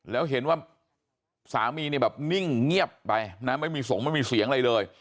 แล้วเห็นว่าสามีเนี่ยแบบนิ่งเงียบไปนะไม่มีส่งไม่มีเสียงอะไรเลย